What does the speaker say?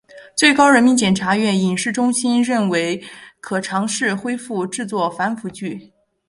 最高人民检察院影视中心认为可尝试恢复制作反腐剧。